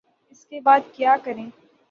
اس کے بعد کیا کریں؟